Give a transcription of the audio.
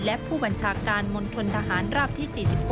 และผู้บัญชาการมนตรฐานรับที่๔๖